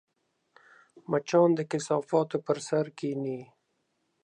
مچان د کثافاتو پر سر کښېني